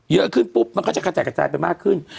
เยอะขึ้นปุ๊บมันก็จะกระจัดกระจายไปมากขึ้น